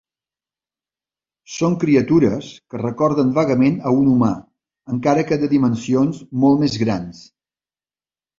Són criatures que recorden vagament a un humà, encara que de dimensions molt més grans.